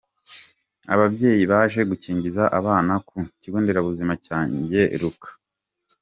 Ababyeyi baje gukingiza abana ku ikigo nderabuzima cya Ngeruka.